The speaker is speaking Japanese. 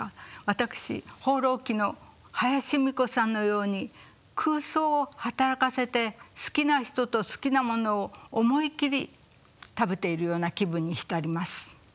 私「放浪記」の林芙美子さんのように空想を働かせて好きな人と好きなものを思いっきり食べているような気分に浸ります。